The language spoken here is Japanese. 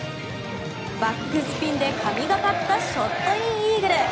バックスピンで、神懸かったショットインイーグル。